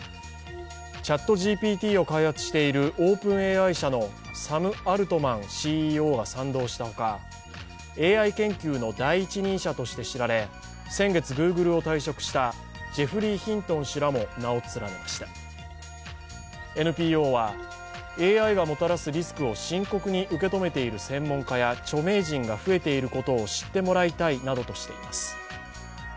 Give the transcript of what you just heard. ＣｈａｔＧＰＴを開発しているＯｐｅｎＡＩのサム・アルトマンＣＥＯも賛同したほかＡＩ研究の第一人者として知られ、先月、Ｇｏｏｇｌｅを退職したジェフリー・ヒントン氏らも名を連ねました、ＮＰＯは、ＡＩがもたらすリスクを深刻に受け止めている専門家や著名人が増えていることを知ってほしいと話しています。